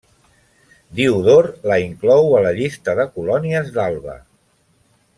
Diodor la inclou a la llista de colònies d'Alba.